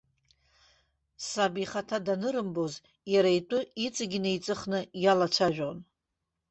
Саб ихаҭа данырымбоз, иара итәы иҵегь инеиҵыхны иалацәажәон.